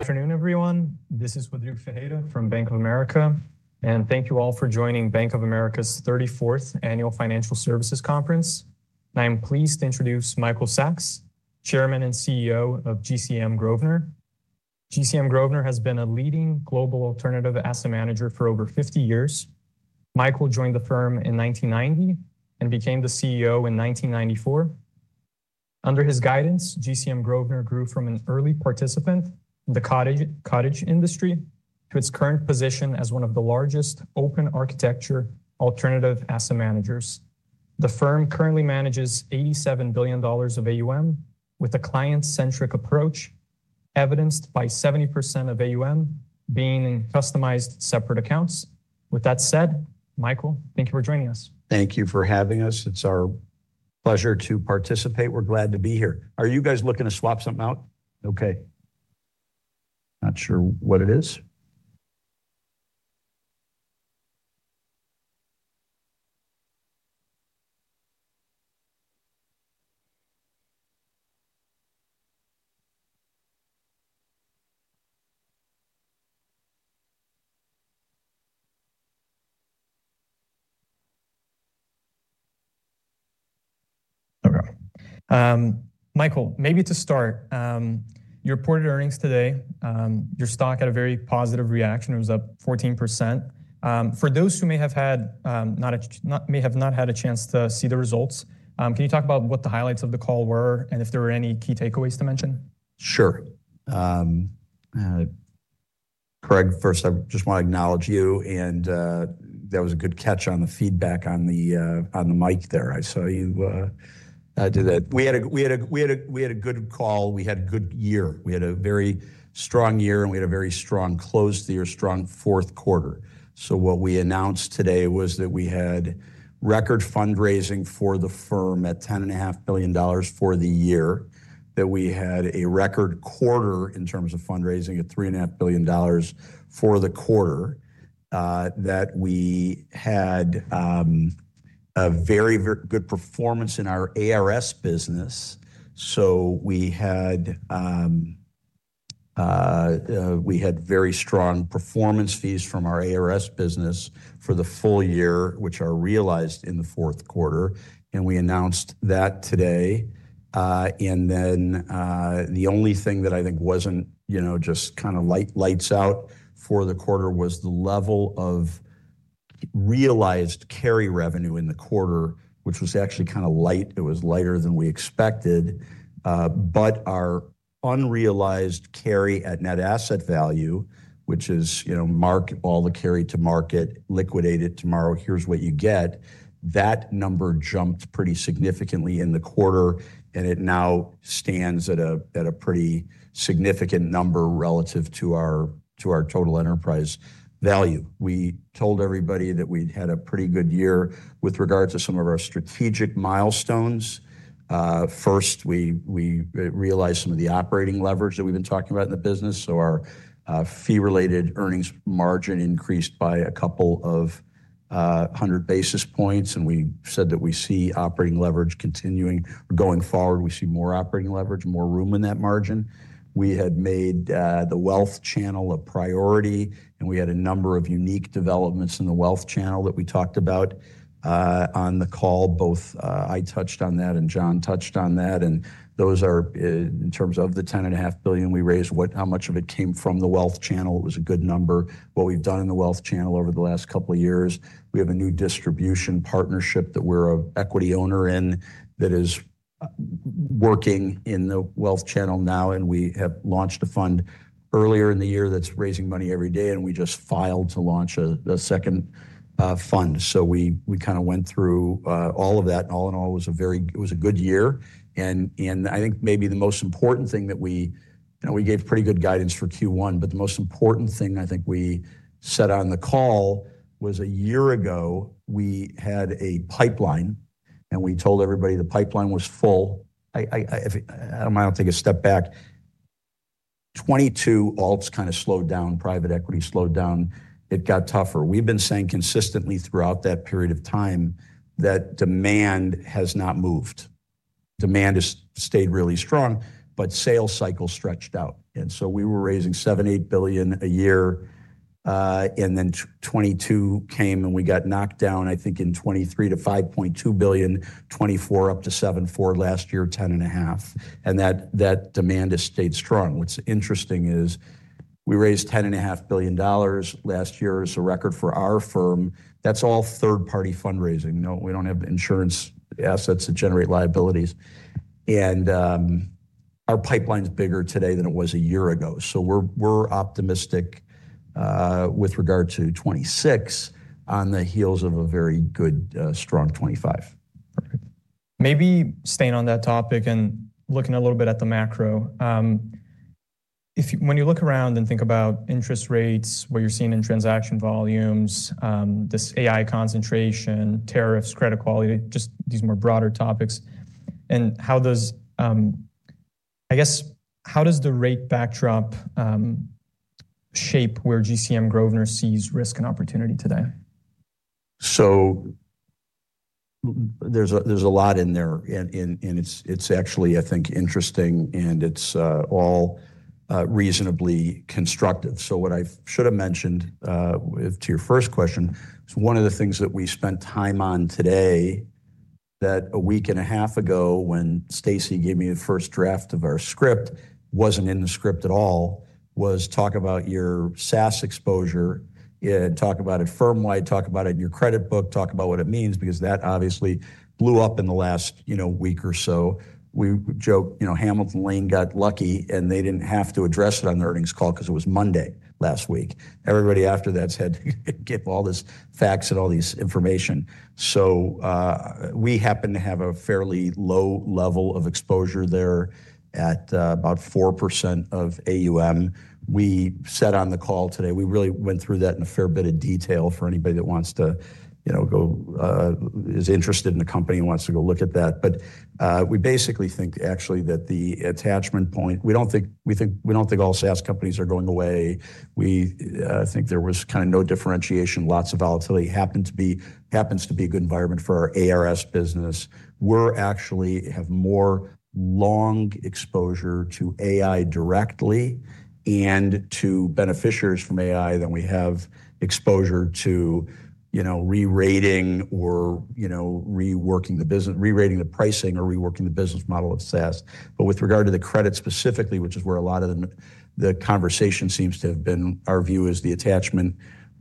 Good afternoon, everyone. This is Rodrigo Ferreira from Bank of America, and thank you all for joining Bank of America's 34th Annual Financial Services Conference. I am pleased to introduce Michael Sacks, Chairman and CEO of GCM Grosvenor. GCM Grosvenor has been a leading global alternative asset manager for over 50 years. Michael joined the firm in 1990 and became the CEO in 1994. Under his guidance, GCM Grosvenor grew from an early participant in the cottage industry to its current position as one of the largest open architecture alternative asset managers. The firm currently manages $87 billion of AUM, with a client-centric approach, evidenced by 70% of AUM being in customized separate accounts. With that said, Michael, thank you for joining us. Thank you for having us. It's our pleasure to participate. We're glad to be here. Are you guys looking to swap something out? Okay. Not sure what it is. Okay. Michael, maybe to start, you reported earnings today, your stock had a very positive reaction. It was up 14%. For those who may not have had a chance to see the results, can you talk about what the highlights of the call were, and if there were any key takeaways to mention? Sure. Craig, first, I just want to acknowledge you, and that was a good catch on the feedback on the mic there. I saw you. I did that. We had a good call. We had a good year. We had a very strong year, and we had a very strong close to the year, strong fourth quarter. So what we announced today was that we had record fundraising for the firm at $10.5 billion for the year, that we had a record quarter in terms of fundraising at $3.5 billion for the quarter, that we had a very good performance in our ARS business. So we had very strong performance fees from our ARS business for the full year, which are realized in the fourth quarter, and we announced that today. And then, the only thing that I think wasn't, you know, just kind of lights out for the quarter was the level of realized carry revenue in the quarter, which was actually kind of light. It was lighter than we expected, but our unrealized carry at net asset value, which is, you know, mark all the carry to market, liquidate it tomorrow, here's what you get. That number jumped pretty significantly in the quarter, and it now stands at a, at a pretty significant number relative to our, to our total enterprise value. We told everybody that we'd had a pretty good year with regard to some of our strategic milestones. First, we realized some of the operating leverage that we've been talking about in the business, so our fee-related earnings margin increased by a couple of hundred basis points, and we said that we see operating leverage continuing. Going forward, we see more operating leverage, more room in that margin. We had made the wealth channel a priority, and we had a number of unique developments in the wealth channel that we talked about on the call. Both I touched on that and John touched on that, and those are in terms of the $10.5 billion we raised, what, how much of it came from the wealth channel, it was a good number. What we've done in the wealth channel over the last couple of years, we have a new distribution partnership that we're an equity owner in, that is working in the wealth channel now, and we have launched a fund earlier in the year that's raising money every day, and we just filed to launch a second fund. So we kind of went through all of that. All in all, it was a very good year, and I think maybe the most important thing that we... You know, we gave pretty good guidance for Q1, but the most important thing I think we said on the call was a year ago, we had a pipeline, and we told everybody the pipeline was full. I might take a step back. 2022, alts kind of slowed down, private equity slowed down, it got tougher. We've been saying consistently throughout that period of time that demand has not moved. Demand has stayed really strong, but sales cycle stretched out. And so we were raising $7-$8 billion a year, and then 2022 came, and we got knocked down, I think in 2023 to $5.2 billion, 2024 up to $7.4 billion last year, $10.5 billion. And that, that demand has stayed strong. What's interesting is we raised $10.5 billion last year as a record for our firm. That's all third-party fundraising. No, we don't have insurance assets that generate liabilities. And, our pipeline is bigger today than it was a year ago. So we're optimistic with regard to 2026 on the heels of a very good, strong 2025. Maybe staying on that topic and looking a little bit at the macro, when you look around and think about interest rates, what you're seeing in transaction volumes, this AI concentration, tariffs, credit quality, just these more broader topics, and how does, I guess, how does the rate backdrop shape where GCM Grosvenor sees risk and opportunity today? There's a lot in there, and it's actually, I think, interesting, and it's all reasonably constructive. So what I should have mentioned with to your first question is one of the things that we spent time on today, that a week and a half ago, when Stacy gave me the first draft of our script, wasn't in the script at all, was talk about your SaaS exposure, talk about it firm-wide, talk about it in your credit book, talk about what it means, because that obviously blew up in the last, you know, week or so. We joked, you know, Hamilton Lane got lucky, and they didn't have to address it on the earnings call because it was Monday last week. Everybody after that said, give all this facts and all this information. So, we happen to have a fairly low level of exposure there at about 4% of AUM. We said on the call today, we really went through that in a fair bit of detail for anybody that wants to, you know, go, is interested in the company and wants to go look at that. But, we basically think, actually, that the attachment point. We don't think all SaaS companies are going away. We, think there was kind of no differentiation, lots of volatility. Happens to be a good environment for our ARS business. We actually have more long exposure to AI directly and to beneficiaries from AI than we have exposure to, you know, re-rating or, you know, reworking the business, re-rating the pricing or reworking the business model of SaaS. But with regard to the credit specifically, which is where a lot of the, the conversation seems to have been, our view is the attachment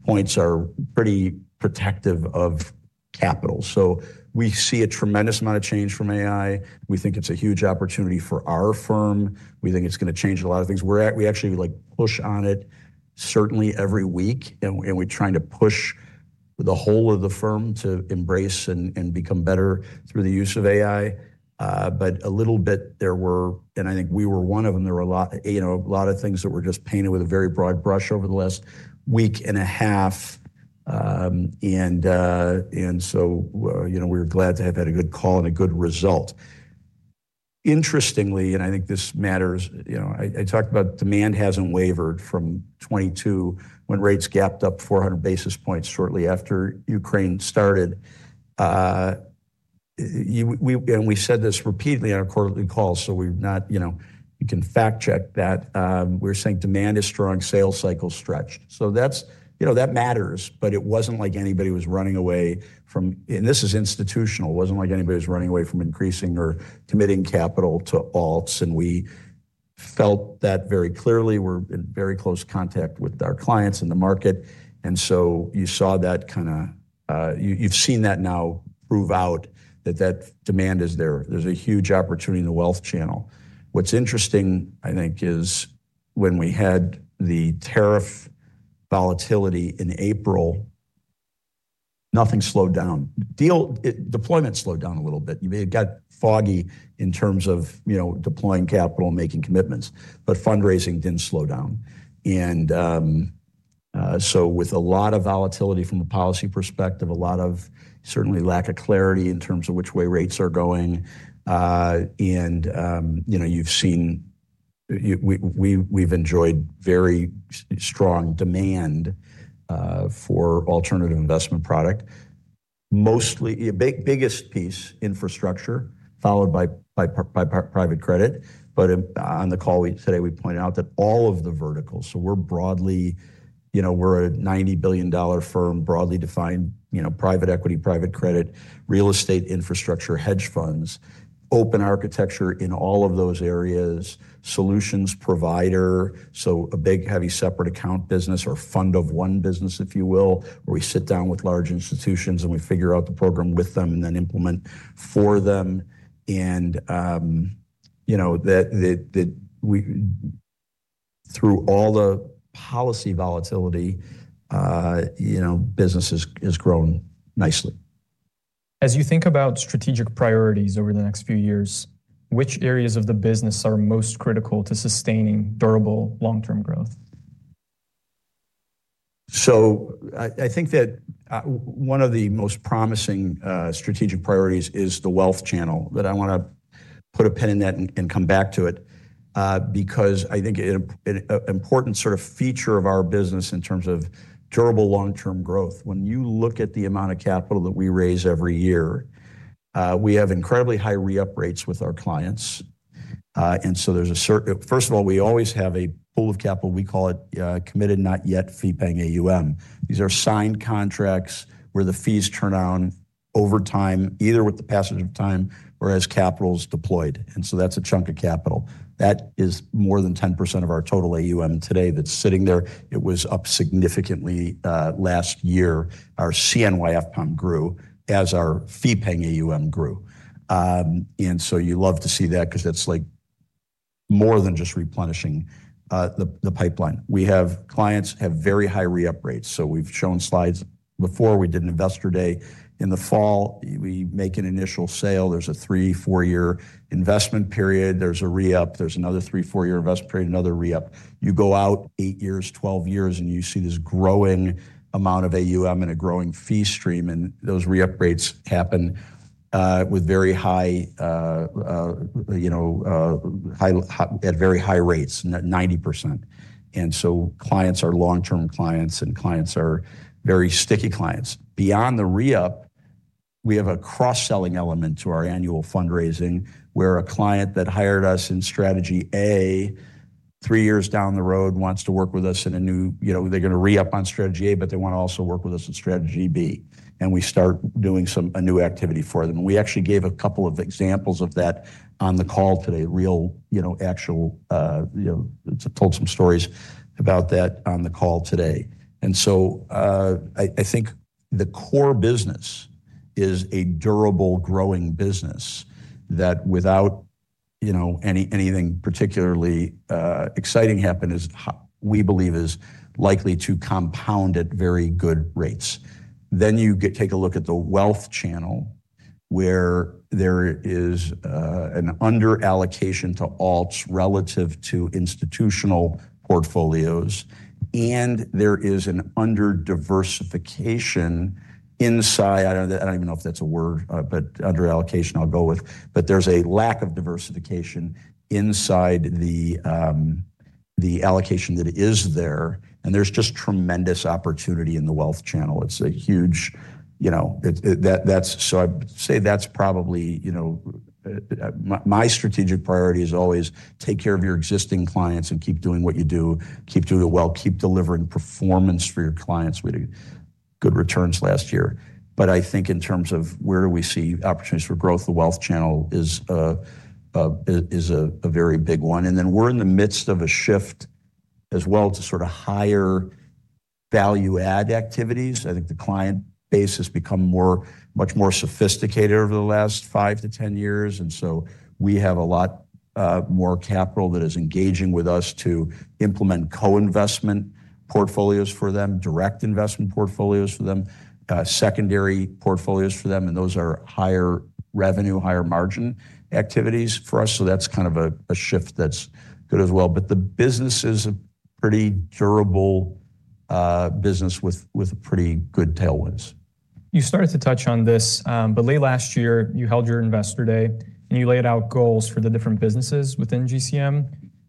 points are pretty protective of capital. So we see a tremendous amount of change from AI. We think it's a huge opportunity for our firm. We think it's gonna change a lot of things. We actually, like, push on it certainly every week, and we're trying to push the whole of the firm to embrace and become better through the use of AI. But a little bit there were. And I think we were one of them, there were a lot, you know, a lot of things that were just painted with a very broad brush over the last week and a half. And so, you know, we're glad to have had a good call and a good result. Interestingly, and I think this matters, you know, I talked about demand hasn't wavered from 2022, when rates gapped up 400 basis points shortly after Ukraine started. And we said this repeatedly on our quarterly call, so we've not, you know, you can fact-check that. We're saying demand is strong, sales cycle stretched. So that's, you know, that matters, but it wasn't like anybody was running away from. And this is institutional. It wasn't like anybody was running away from increasing or committing capital to alts, and we felt that very clearly. We're in very close contact with our clients in the market, and so you saw that kinda, you've seen that now prove out, that that demand is there. There's a huge opportunity in the wealth channel. What's interesting, I think, is when we had the tariff volatility in April, nothing slowed down. Deal deployment slowed down a little bit. You may have got foggy in terms of, you know, deploying capital and making commitments, but fundraising didn't slow down. And so with a lot of volatility from a policy perspective, a lot of certainly lack of clarity in terms of which way rates are going, and you know, you've seen, we've enjoyed very strong demand for alternative investment product. Mostly, the biggest piece, infrastructure, followed by private credit. On the call today, we pointed out that all of the verticals, so we're broadly, you know, we're a $90 billion firm, broadly defined, you know, private equity, private credit, real estate, infrastructure, hedge funds, open architecture in all of those areas, solutions provider, so a big, heavy, separate account business or fund of one business, if you will, where we sit down with large institutions, and we figure out the program with them and then implement for them. You know, that through all the policy volatility, you know, business has grown nicely. As you think about strategic priorities over the next few years, which areas of the business are most critical to sustaining durable long-term growth? So I think that one of the most promising strategic priorities is the wealth channel, that I want to put a pin in that and come back to it, because I think it an important sort of feature of our business in terms of durable long-term growth. When you look at the amount of capital that we raise every year, we have incredibly high re-up rates with our clients. And so first of all, we always have a pool of capital, we call it committed, not yet fee-paying AUM. These are signed contracts where the fees turn on over time, either with the passage of time or as capital is deployed, and so that's a chunk of capital. That is more than 10% of our total AUM today that's sitting there. It was up significantly last year. Our CNYF plump grew as our fee-paying AUM grew. And so you love to see that because that's, like, more than just replenishing the pipeline. Clients have very high re-up rates, so we've shown slides before. We did an investor day. In the fall, we make an initial sale. There's a 3-4-year investment period. There's a re-up. There's another 3-4-year investment period, another re-up. You go out 8 years, 12 years, and you see this growing amount of AUM and a growing fee stream, and those re-up rates happen with very high, you know, high, at very high rates, 90%. And so clients are long-term clients, and clients are very sticky clients. Beyond the re-up, we have a cross-selling element to our annual fundraising, where a client that hired us in strategy A, three years down the road, wants to work with us in a new— You know, they're gonna re-up on strategy A, but they wanna also work with us on strategy B, and we start doing some, a new activity for them. We actually gave a couple of examples of that on the call today, real, you know, actual, you know, told some stories about that on the call today. And so, I, I think the core business is a durable, growing business that without, you know, anything particularly exciting happen is – we believe is likely to compound at very good rates. Then you get take a look at the wealth channel, where there is an underallocation to alts relative to institutional portfolios, and there is an under diversification inside. I don't even know if that's a word, but under allocation I'll go with. But there's a lack of diversification inside the allocation that is there, and there's just tremendous opportunity in the wealth channel. It's a huge, you know, it. That's. So I'd say that's probably, you know, my strategic priority is always: take care of your existing clients and keep doing what you do, keep doing it well, keep delivering performance for your clients. We did good returns last year. But I think in terms of where we see opportunities for growth, the wealth channel is a very big one. And then we're in the midst of a shift as well to sort of higher value add activities. I think the client base has become more, much more sophisticated over the last five to 10 years, and so we have a lot more capital that is engaging with us to implement co-investment portfolios for them, direct investment portfolios for them, secondary portfolios for them, and those are higher revenue, higher margin activities for us. So that's kind of a shift that's good as well. But the business is a pretty durable business with pretty good tailwinds. You started to touch on this, but late last year, you held your investor day, and you laid out goals for the different businesses within GCM.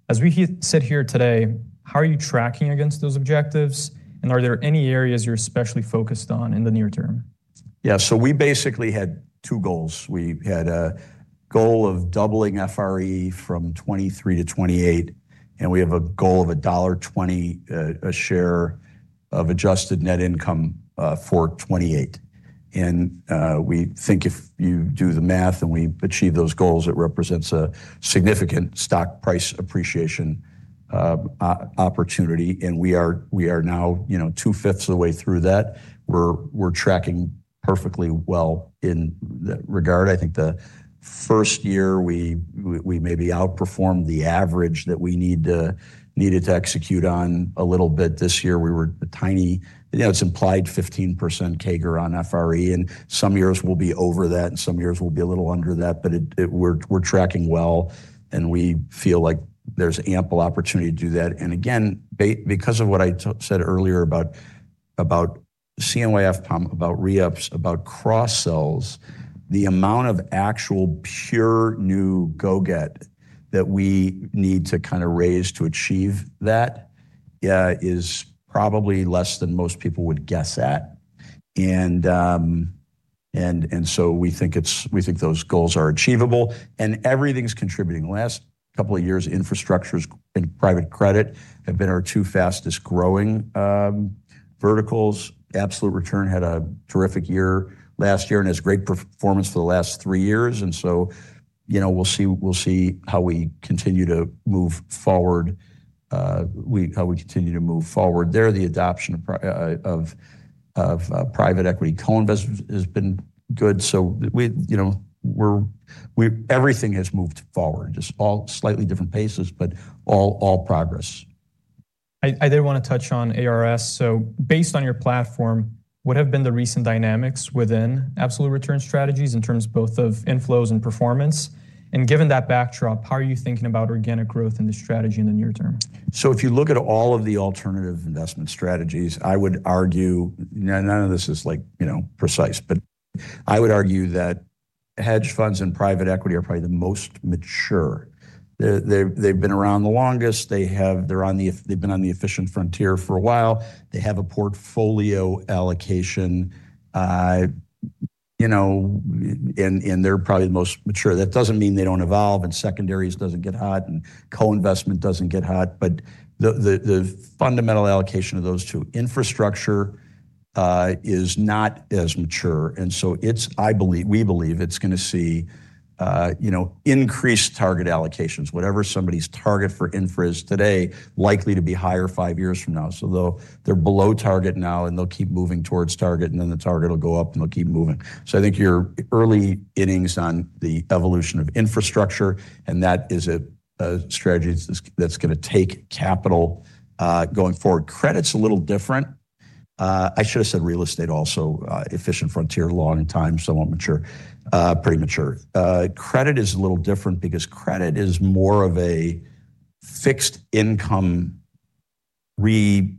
As we sit here today, how are you tracking against those objectives, and are there any areas you're especially focused on in the near term? Yeah, so we basically had two goals. We had a goal of doubling FRE from 2023 to 2028, and we have a goal of $1.20 a share of adjusted net income for 2028. And we think if you do the math and we achieve those goals, it represents a significant stock price appreciation opportunity, and we are now, you know, two-fifths of the way through that. We're tracking perfectly well in that regard. I think the first year, we maybe outperformed the average that we needed to execute on a little bit. This year, we were a tiny... You know, it's implied 15% CAGR on FRE, and some years we'll be over that, and some years we'll be a little under that, but it-- we're tracking well, and we feel like there's ample opportunity to do that. And again, because of what I said earlier about CNYF, Tom, about re-ups, about cross-sells, the amount of actual pure new go-get that we need to kinda raise to achieve that is probably less than most people would guess at. And so we think it's we think those goals are achievable, and everything's contributing. The last couple of years, infrastructure and private credit have been our two fastest growing verticals. Absolute return had a terrific year last year, and it's great performance for the last three years, and so, you know, we'll see, we'll see how we continue to move forward, how we continue to move forward. The adoption of private equity co-investment has been good. So, you know, we're everything has moved forward, just all slightly different paces, but all progress. I did wanna touch on ARS. So based on your platform, what have been the recent dynamics within absolute return strategies in terms both of inflows and performance? And given that backdrop, how are you thinking about organic growth in the strategy in the near term? So if you look at all of the alternative investment strategies, I would argue... None of this is, like, you know, precise, but I would argue that hedge funds and private equity are probably the most mature. They're, they've, they've been around the longest. They're on the efficient frontier for a while. They have a portfolio allocation, you know, and, and they're probably the most mature. That doesn't mean they don't evolve, and secondaries doesn't get hot, and co-investment doesn't get hot, but the, the, the fundamental allocation of those two. Infrastructure is not as mature, and so it's, I believe, we believe it's gonna see, you know, increased target allocations. Whatever somebody's target for infra is today, likely to be higher five years from now. So though they're below target now, and they'll keep moving towards target, and then the target will go up, and they'll keep moving. So I think you're early innings on the evolution of infrastructure, and that is a strategy that's gonna take capital going forward. Credit's a little different. I should have said real estate also, efficient frontier, long time, somewhat mature, pretty mature. Credit is a little different because credit is more of a fixed income restructuring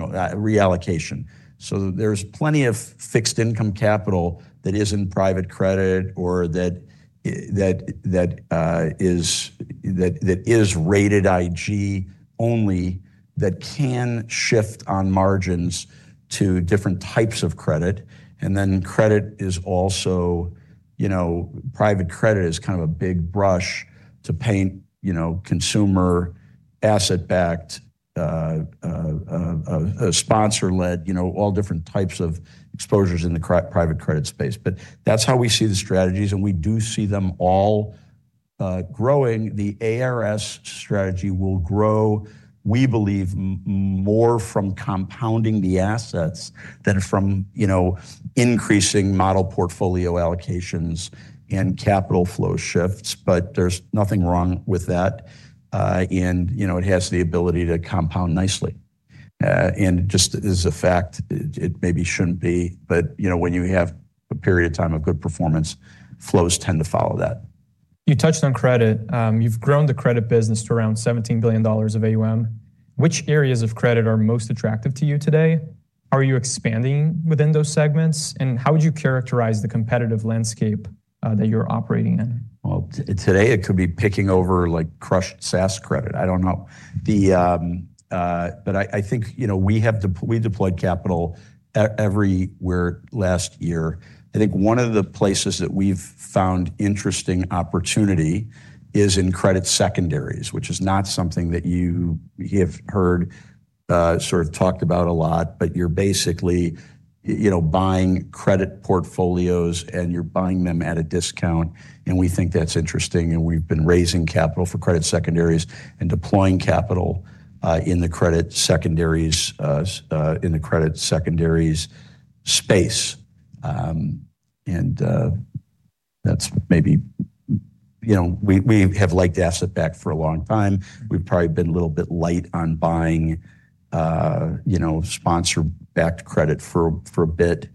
or reallocation. So there's plenty of fixed income capital that is in private credit or that is rated IG only that can shift on margins to different types of credit. And then credit is also, you know, private credit is kind of a big brush to paint, you know, consumer asset-backed, a sponsor-led, you know, all different types of exposures in the private credit space. But that's how we see the strategies, and we do see them all growing. The ARS strategy will grow, we believe, more from compounding the assets than from, you know, increasing model portfolio allocations and capital flow shifts, but there's nothing wrong with that. And, you know, it has the ability to compound nicely. And just as a fact, it maybe shouldn't be, but, you know, when you have a period of time of good performance, flows tend to follow that. You touched on credit. You've grown the credit business to around $17 billion of AUM. Which areas of credit are most attractive to you today? Are you expanding within those segments, and how would you characterize the competitive landscape, that you're operating in? Well, today it could be picking over, like, crushed SaaS credit. I don't know. But I think, you know, we deployed capital everywhere last year. I think one of the places that we've found interesting opportunity is in credit secondaries, which is not something that you have heard sort of talked about a lot. But you're basically, you know, buying credit portfolios, and you're buying them at a discount, and we think that's interesting, and we've been raising capital for credit secondaries and deploying capital in the credit secondaries space. And that's maybe, you know, we have liked asset-backed for a long time. We've probably been a little bit light on buying, you know, sponsor-backed credit for, for a bit,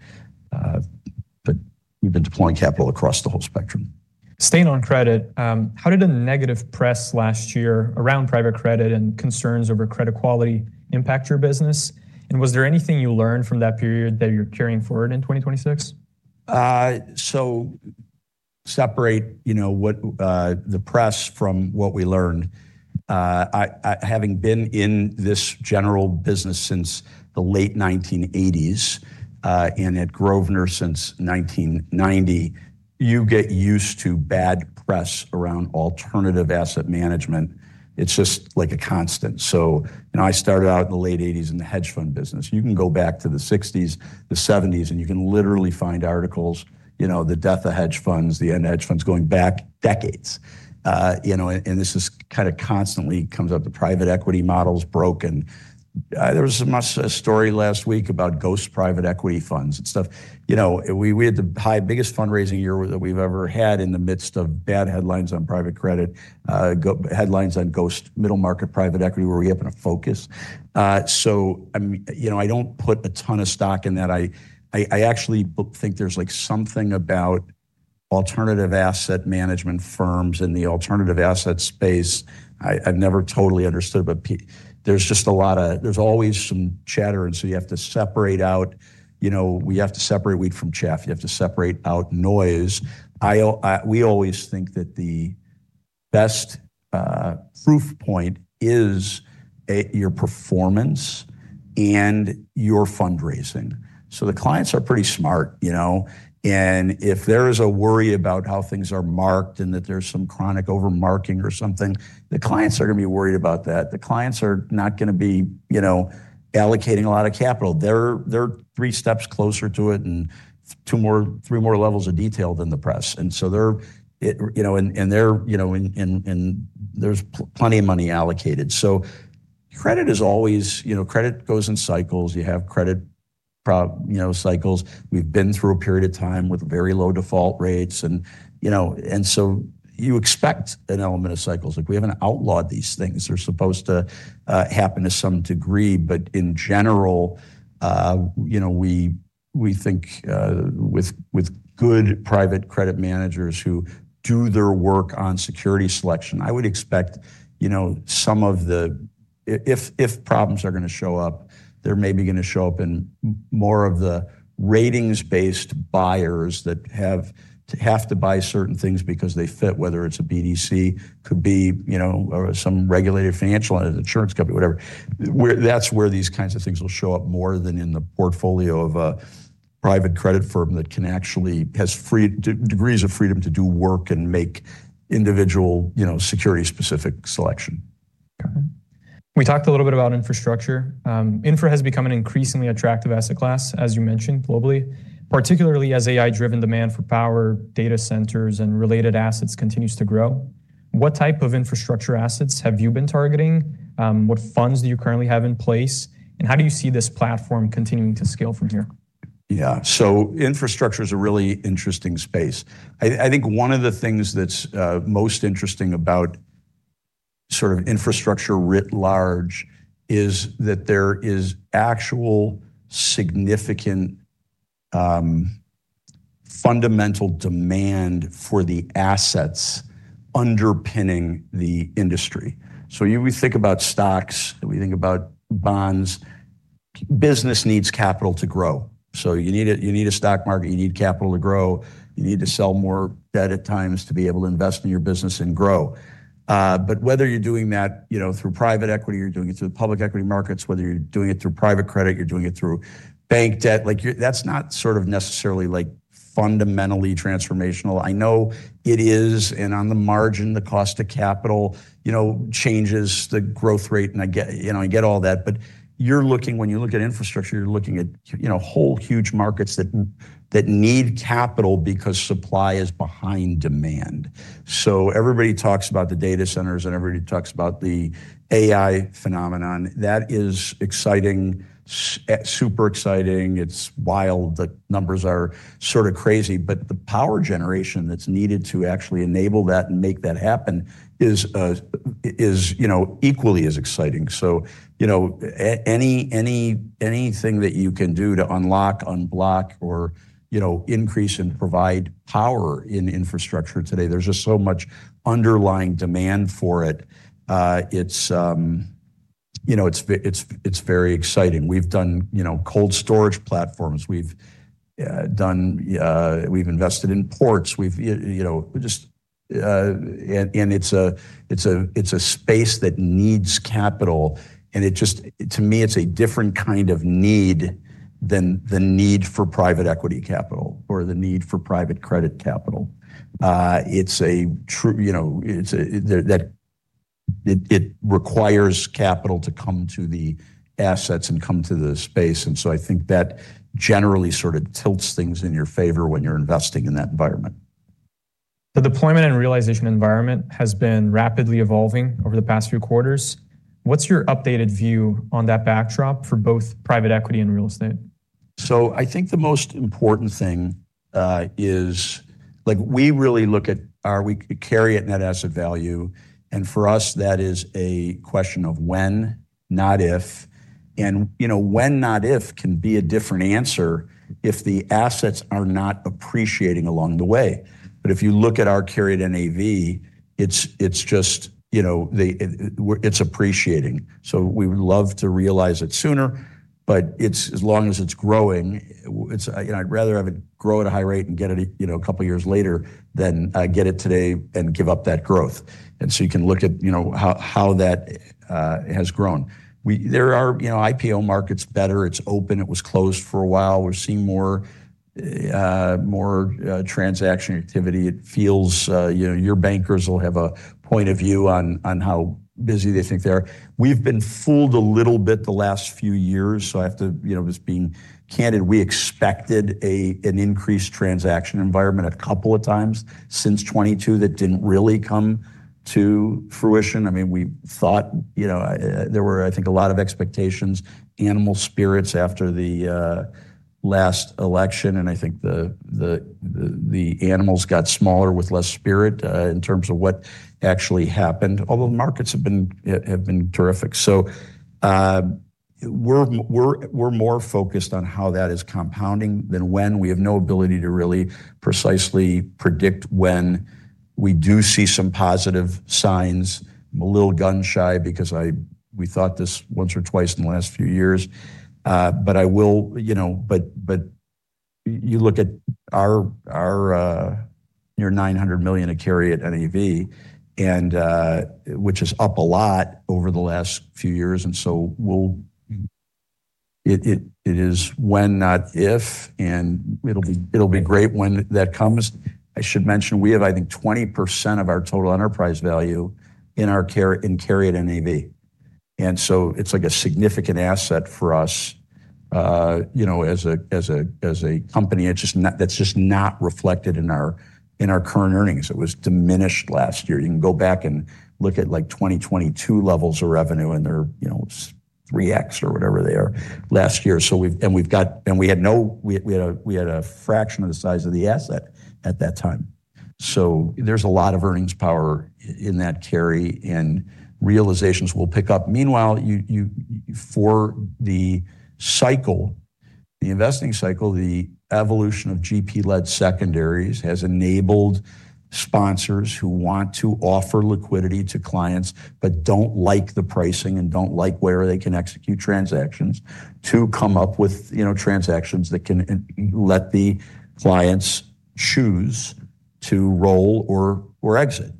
but we've been deploying capital across the whole spectrum. Staying on credit, how did the negative press last year around private credit and concerns over credit quality impact your business? Was there anything you learned from that period that you're carrying forward in 2026? So separate, you know, what, the press from what we learned. I- having been in this general business since the late 1980s, and at Grosvenor since 1990, you get used to bad press around alternative asset management. It's just like a constant. So, you know, I started out in the late 1980s in the hedge fund business. You can go back to the 1960s, the 1970s, and you can literally find articles, you know, the death of hedge funds, the end hedge funds, going back decades. You know, and, and this is kind of constantly comes up, the private equity model's broken. There was a much, story last week about ghost private equity funds and stuff. You know, we had the biggest fundraising year that we've ever had in the midst of bad headlines on private credit, headlines on ghost middle-market private equity, where we happen to focus. So, you know, I don't put a ton of stock in that. I actually think there's, like, something about alternative asset management firms and the alternative asset space. I've never totally understood, but there's just a lot of... There's always some chatter, and so you have to separate out, you know, we have to separate wheat from chaff. You have to separate out noise. We always think that the best proof point is your performance and your fundraising. So the clients are pretty smart, you know, and if there is a worry about how things are marked and that there's some chronic over-marking or something, the clients are gonna be worried about that. The clients are not gonna be, you know, allocating a lot of capital. They're three steps closer to it and two more, three more levels of detail than the press. And so they're, you know, and they're, you know, there's plenty of money allocated. So credit is always, you know, credit goes in cycles. You have credit, you know, cycles. We've been through a period of time with very low default rates, and you know, and so you expect an element of cycles. Like, we haven't outlawed these things. They're supposed to happen to some degree, but in general, you know, we think with good private credit managers who do their work on security selection, I would expect, you know, some of the if problems are gonna show up, they're maybe gonna show up in more of the ratings-based buyers that have to buy certain things because they fit, whether it's a BDC, could be, you know, or some regulated financial, an insurance company, whatever. That's where these kinds of things will show up more than in the portfolio of a private credit firm that can actually has degrees of freedom to do work and make individual, you know, security-specific selection. Okay. We talked a little bit about infrastructure. Infra has become an increasingly attractive asset class, as you mentioned, globally, particularly as AI-driven demand for power, data centers, and related assets continues to grow. What type of infrastructure assets have you been targeting? What funds do you currently have in place, and how do you see this platform continuing to scale from here? Yeah. So infrastructure is a really interesting space. I, I think one of the things that's most interesting about sort of infrastructure writ large is that there is actual significant fundamental demand for the assets underpinning the industry. So you, we think about stocks, we think about bonds. Business needs capital to grow. So you need a, you need a stock market, you need capital to grow, you need to sell more debt at times to be able to invest in your business and grow. But whether you're doing that, you know, through private equity, or you're doing it through the public equity markets, whether you're doing it through private credit, you're doing it through bank debt, like, that's not sort of necessarily like fundamentally transformational. I know it is, and on the margin, the cost of capital, you know, changes the growth rate, and I get, you know, I get all that. But you're looking when you look at infrastructure, you're looking at, you know, whole huge markets that, that need capital because supply is behind demand. So everybody talks about the data centers, and everybody talks about the AI phenomenon. That is exciting, super exciting. It's wild. The numbers are sort of crazy, but the power generation that's needed to actually enable that and make that happen is, is, you know, equally as exciting. So, you know, any, anything that you can do to unlock, unblock, or, you know, increase and provide power in infrastructure today, there's just so much underlying demand for it. It's, you know, it's, it's very exciting. We've done, you know, cold storage platforms. We've done. We've invested in ports. We've, you know, just—and it's a space that needs capital, and it just, to me, it's a different kind of need than the need for private equity capital or the need for private credit capital. It's a true, you know, it's that it requires capital to come to the assets and come to the space, and so I think that generally sort of tilts things in your favor when you're investing in that environment. The deployment and realization environment has been rapidly evolving over the past few quarters. What's your updated view on that backdrop for both private equity and real estate? So I think the most important thing is, like, we really look at our, we carry it net asset value, and for us, that is a question of when, not if. And, you know, when, not if, can be a different answer if the assets are not appreciating along the way. But if you look at our carried NAV, it's just, you know, it's appreciating. So we would love to realize it sooner, but it's, as long as it's growing, it's, and I'd rather have it grow at a high rate and get it, you know, a couple of years later than get it today and give up that growth. And so you can look at, you know, how that has grown. There are, you know, IPO market's better. It's open. It was closed for a while. We're seeing more transaction activity. It feels, you know, your bankers will have a point of view on how busy they think they are. We've been fooled a little bit the last few years, so I have to, you know, just being candid, we expected an increased transaction environment a couple of times since 2022. That didn't really come to fruition. I mean, we thought, you know, there were, I think, a lot of expectations, animal spirits after the last election, and I think the animals got smaller with less spirit in terms of what actually happened, although the markets have been terrific. So, we're more focused on how that is compounding than when. We have no ability to really precisely predict when we do see some positive signs. I'm a little gun-shy because we thought this once or twice in the last few years. But I will, you know. But you look at our near $900 million of carry at NAV, and which is up a lot over the last few years, and so it is when, not if, and it'll be great when that comes. I should mention, we have, I think, 20% of our total enterprise value in our carry, in carry at NAV. And so it's like a significant asset for us, you know, as a company. It's just not – that's just not reflected in our current earnings. It was diminished last year. You can go back and look at, like, 2022 levels of revenue, and they're, you know, 3x or whatever they are last year. So we've and we had a fraction of the size of the asset at that time. So there's a lot of earnings power in that carry, and realizations will pick up. Meanwhile, you for the cycle, the investing cycle, the evolution of GP-led secondaries has enabled sponsors who want to offer liquidity to clients but don't like the pricing and don't like where they can execute transactions, to come up with, you know, transactions that can let the clients choose to roll or exit.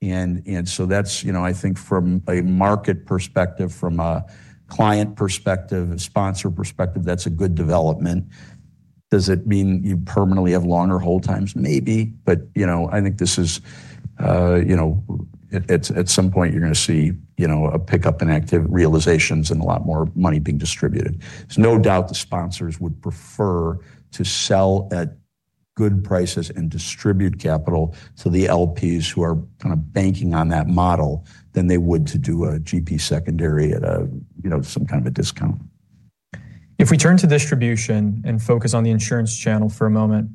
And so that's, you know, I think from a market perspective, from a client perspective, a sponsor perspective, that's a good development. Does it mean you permanently have longer hold times? Maybe. But, you know, I think this is, you know, at some point you're gonna see, you know, a pickup in active realizations and a lot more money being distributed. There's no doubt the sponsors would prefer to sell at good prices and distribute capital to the LPs who are kind of banking on that model than they would to do a GP secondary at a, you know, some kind of a discount. If we turn to distribution and focus on the insurance channel for a moment,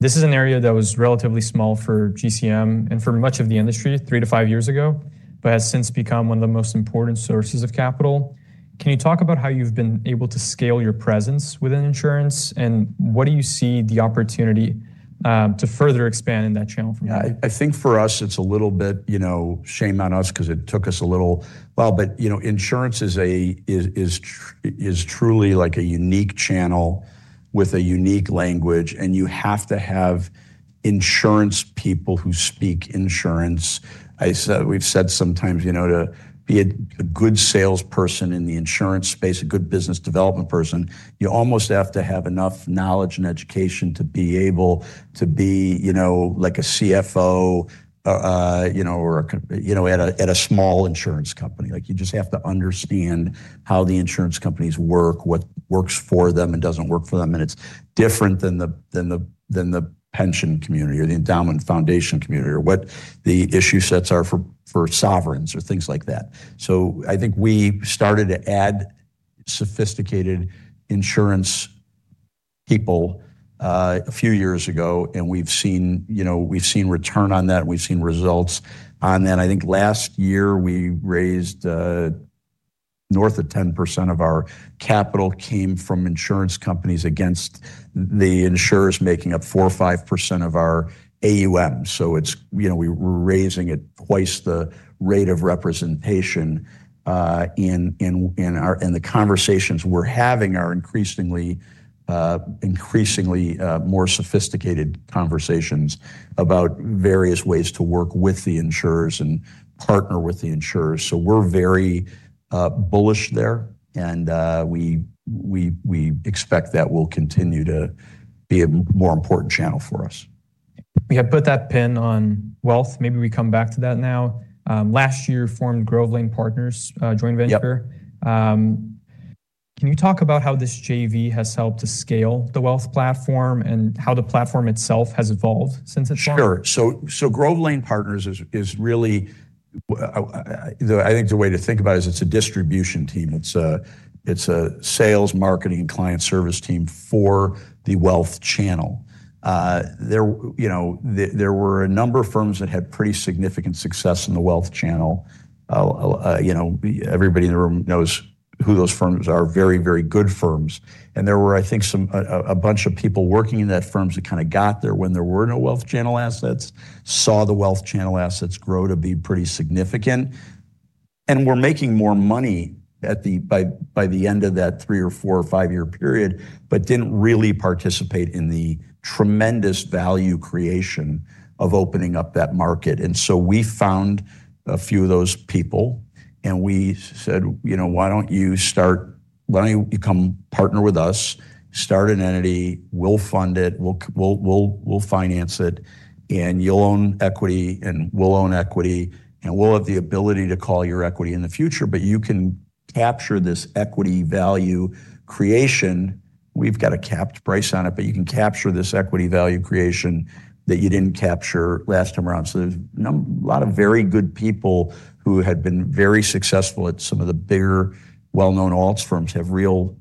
this is an area that was relatively small for GCM and for much of the industry three to five years ago, but has since become one of the most important sources of capital. Can you talk about how you've been able to scale your presence within insurance, and what do you see the opportunity to further expanding that channel for you? Yeah, I think for us it's a little bit, you know, shame on us 'cause it took us a little while. But, you know, insurance is truly like a unique channel with a unique language, and you have to have insurance people who speak insurance. We've said sometimes, you know, to be a good salesperson in the insurance space, a good business development person, you almost have to have enough knowledge and education to be able to be, you know, like a CFO, or a CFO, you know, at a small insurance company. Like, you just have to understand how the insurance companies work, what works for them and doesn't work for them, and it's different than the pension community or the endowment foundation community, or what the issue sets are for sovereigns or things like that. So I think we started to add sophisticated insurance people a few years ago, and we've seen, you know, we've seen return on that, and we've seen results on that. I think last year we raised north of 10% of our capital came from insurance companies against the insurers making up 4% or 5% of our AUM. So it's, you know, we're raising at twice the rate of representation, and the conversations we're having are increasingly more sophisticated conversations about various ways to work with the insurers and partner with the insurers. So we're very bullish there, and we expect that will continue to be a more important channel for us. We have put that pin on wealth. Maybe we come back to that now. Last year, formed Grove Lane Partners, joint venture. Yep. Can you talk about how this JV has helped to scale the wealth platform and how the platform itself has evolved since it's launched? Sure. So, Grove Lane Partners is really, I think the way to think about it is it's a distribution team. It's a sales, marketing, and client service team for the wealth channel. There, you know, there were a number of firms that had pretty significant success in the wealth channel. You know, everybody in the room knows who those firms are. Very, very good firms. And there were, I think, some a bunch of people working in those firms that kinda got there when there were no wealth channel assets, saw the wealth channel assets grow to be pretty significant, and were making more money by the end of that three or four or five-year period, but didn't really participate in the tremendous value creation of opening up that market. And so we found a few of those people, and we said: "You know, why don't you become partner with us? Start an entity, we'll fund it, we'll finance it, and you'll own equity, and we'll own equity, and we'll have the ability to call your equity in the future, but you can capture this equity value creation. We've got a capped price on it, but you can capture this equity value creation that you didn't capture last time around." So there's a lot of very good people who had been very successful at some of the bigger, well-known alts firms, have real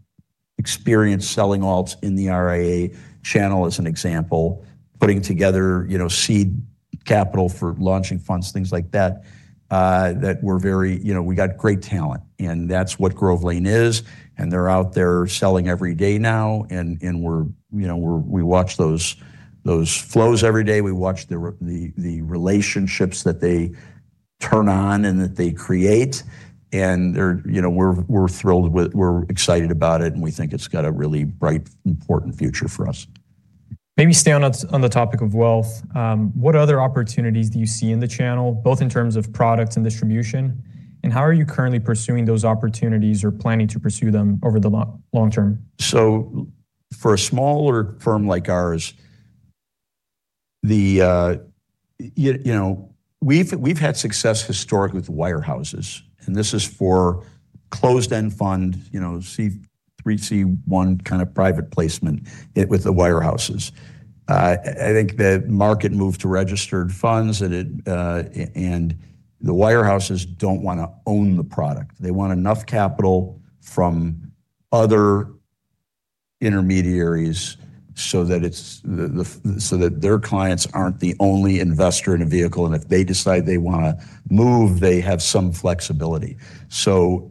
experience selling alts in the RIA channel, as an example, putting together, you know, seed capital for launching funds, things like that, that were very... You know, we got great talent, and that's what Grove Lane is, and they're out there selling every day now, and we're, you know, we watch those flows every day. We watch the relationships that they turn on and that they create, and we're thrilled with it. We're excited about it, and we think it's got a really bright, important future for us. Maybe staying on the topic of wealth, what other opportunities do you see in the channel, both in terms of products and distribution, and how are you currently pursuing those opportunities or planning to pursue them over the long term? So for a smaller firm like ours, you know, we've had success historically with wirehouses, and this is for closed-end fund, you know, 3(c)(1) kind of private placement with the wirehouses. I think the market moved to registered funds, and the wirehouses don't wanna own the product. They want enough capital from other intermediaries so that it's the, so that their clients aren't the only investor in a vehicle, and if they decide they wanna move, they have some flexibility. So,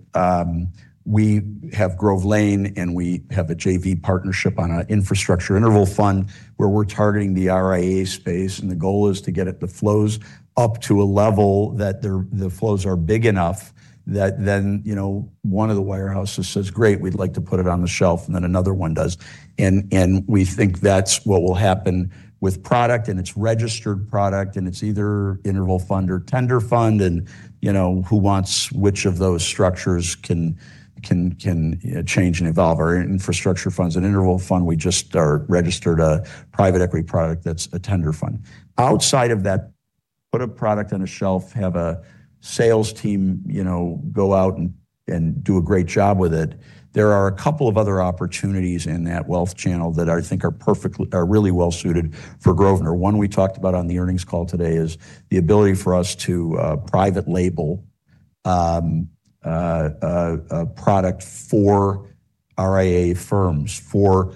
we have Grove Lane, and we have a JV partnership on an infrastructure interval fund, where we're targeting the RIA space, and the goal is to get it the flows up to a level that the flows are big enough that then, you know, one of the wirehouses says: "Great, we'd like to put it on the shelf," and then another one does. And we think that's what will happen with product, and it's registered product, and it's either interval fund or tender fund, and, you know, who wants which of those structures can change and evolve. Our infrastructure fund's an interval fund. We just are registered a private equity product that's a tender fund. Outside of that, put a product on a shelf, have a sales team, you know, go out and do a great job with it. There are a couple of other opportunities in that wealth channel that I think are really well suited for Grosvenor. One we talked about on the earnings call today is the ability for us to private label a product for RIA firms, for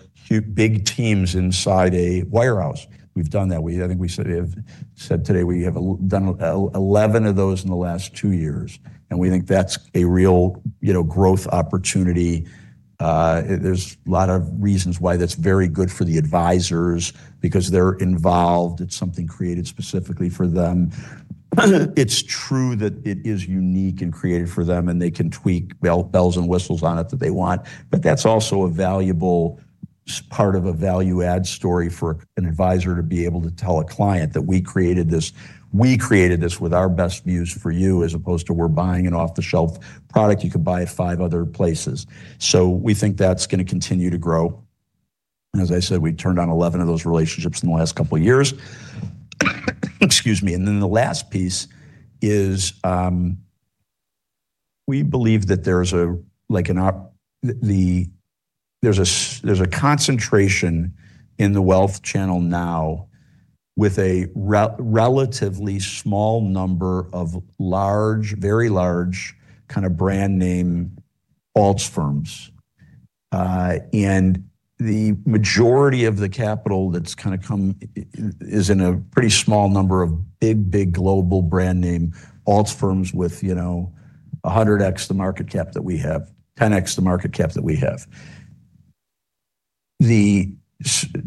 big teams inside a wirehouse. We've done that. We, I think we said, said today we have done 11 of those in the last two years, and we think that's a real, you know, growth opportunity, it, there's a lot of reasons why that's very good for the advisors because they're involved. It's something created specifically for them. It's true that it is unique and created for them, and they can tweak bells and whistles on it that they want, but that's also a valuable part of a value-add story for an advisor to be able to tell a client that, "We created this with our best views for you," as opposed to, "We're buying an off-the-shelf product you could buy at five other places." So we think that's gonna continue to grow, and as I said, we turned on 11 of those relationships in the last couple of years. Excuse me. And then the last piece is, we believe that there's, like, a concentration in the wealth channel now with a relatively small number of large, very large, kinda brand name alts firms. And the majority of the capital that's kinda come is in a pretty small number of big, big global brand name alts firms with, you know, 100x the market cap that we have, 10x the market cap that we have.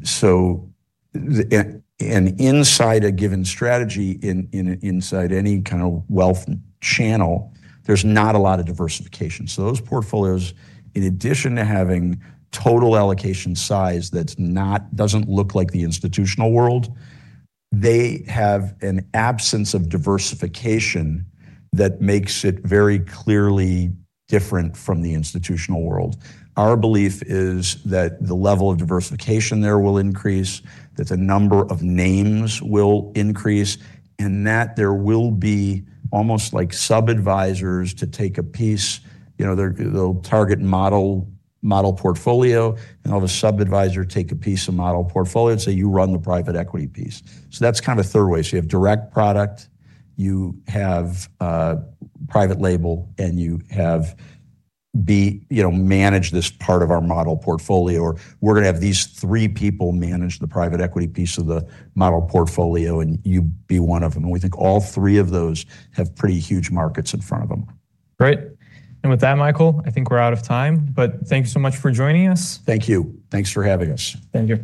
So the... And, and inside a given strategy, in, inside any kind of wealth channel, there's not a lot of diversification. So those portfolios, in addition to having total allocation size that doesn't look like the institutional world, they have an absence of diversification that makes it very clearly different from the institutional world. Our belief is that the level of diversification there will increase, that the number of names will increase, and that there will be almost like sub-advisors to take a piece. You know, they'll target model model portfolio and have a sub-adviser take a piece of model portfolio and say, "You run the private equity piece." That's kind of a third way. You have direct product, you have private label, and you have, you know, manage this part of our model portfolio, or we're gonna have these three people manage the private equity piece of the model portfolio, and you be one of them, and we think all three of those have pretty huge markets in front of them. Great! With that, Michael, I think we're out of time, but thank you so much for joining us. Thank you. Thanks for having us. Thank you.